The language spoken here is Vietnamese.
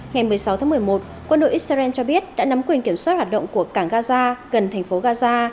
ngày một mươi sáu tháng một mươi một quân đội israel cho biết đã nắm quyền kiểm soát hoạt động của cảng gaza gần thành phố gaza